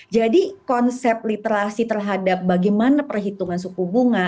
jadi konsep literasi terhadap bagaimana perhitungan suku bunga